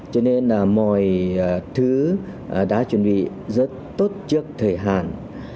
cho nên là mọi thứ đã chuẩn bị rất tốt trước thời hạn